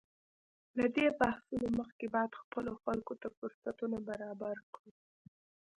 له دې بحثونو مخکې باید خپلو خلکو ته فرصتونه برابر کړو.